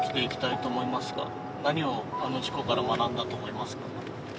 何をあの事故から学んだと思いますか？